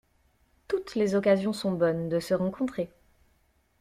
Toutes les occasions sont bonnes de se rencontrer.